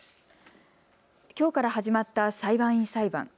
きょうから始まった裁判員裁判。